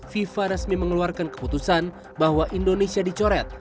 fifa resmi mengeluarkan keputusan bahwa indonesia dicoret